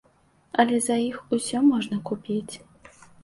Але за іх усё можна купіць.